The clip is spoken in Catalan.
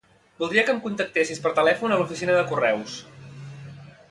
Voldria que em contactessis per telèfon a l'oficina de correus.